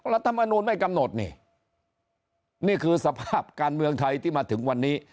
รัฐมนูลไม่กำหนดนี่นี่คือสภาพการเมืองไทยที่มาถึงวันนี้